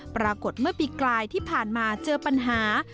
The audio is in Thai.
ปรากฏเมื่อปีกลายที่ผ่านมาเจอปัญหา